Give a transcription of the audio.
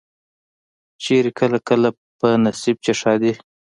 چرته کله کله په نصيب چې ښادي